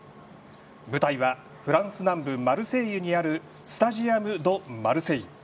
舞台はフランス南部マルセイユにあるスタジアム・ド・マルセイユ。